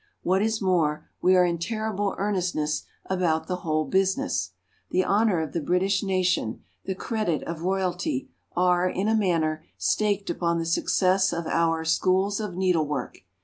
What is more, we are in terrible earnestness about the whole business. The honour of the British nation, the credit of Royalty, are, in a manner, staked upon the success of our "Schools of Needlework."